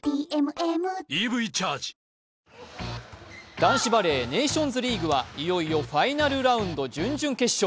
男子バレー、ネーションズリーグはいよいよファイナルラウンド決勝。